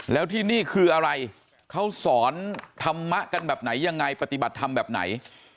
แล้วที่นี่คืออะไรเขาสอนธรรมะกันแบบไหนยังไงปฏิบัติธรรมแบบไหน